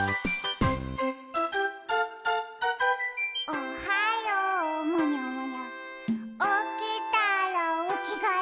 「おはようむにゃむにゃおきたらおきがえ」